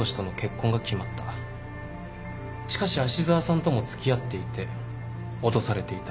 しかし芦沢さんとも付き合っていて脅されていた。